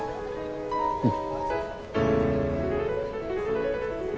うん。